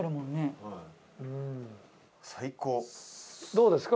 どうですか？